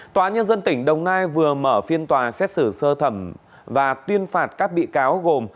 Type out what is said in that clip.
tòa án nhân dân tỉnh đồng nai vừa mở phiên tòa xét xử sơ thẩm và tuyên phạt các bị cáo gồm